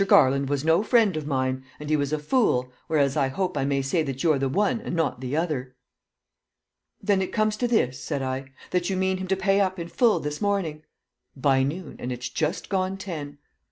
Garland was no friend of mine, and he was a fool, whereas I hope I may say that you're the one and not the other." "Then it comes to this," said I, "that you mean him to pay up in full this morning?" "By noon, and it's just gone ten."